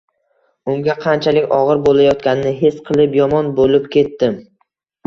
Unga qanchalik og`ir bo`layotganini his qilib, yomon bo`lib ketdim